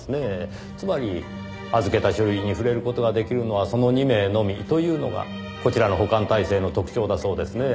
つまり預けた書類に触れる事ができるのはその２名のみというのがこちらの保管体制の特徴だそうですね。